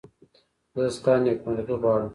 زه ستا نېکمرغي غواړم.